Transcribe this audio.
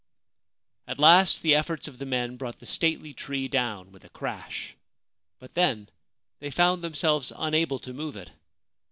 At last the efforts of the men brought the stately tree down with a crash ; but then they found themselves unable to move it.